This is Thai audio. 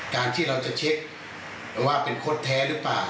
การที่เราจะเช็คว่าเป็นคดแท้หรือเปล่า